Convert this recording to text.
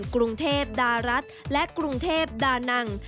กรุงเทพดารัฐและกรุงเทพดานัง